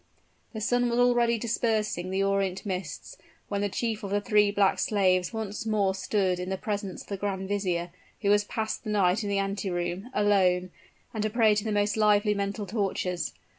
The sun was already dispersing the orient mists, when the chief of the three black slaves once more stood in the presence of the grand vizier, who had passed the night in the anteroom, alone, and a prey to the most lively mental tortures.